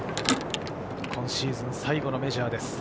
今シーズン最後のメジャーです。